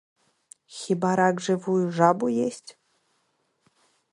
Хіба рак жывую жабу есць?